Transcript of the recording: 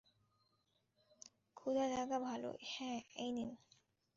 ক্ষুধা লাগা ভালো - হ্যাঁ এই নিন।